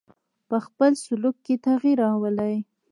په خپل سلوک کې تغیر راولي.